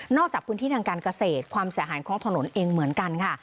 จากพื้นที่ทางการเกษตรความเสียหายของถนนเองเหมือนกันค่ะ